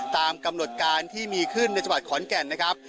ตามกำหนดการที่มีขึ้นในจังหวัดขอนแก่นนะครับ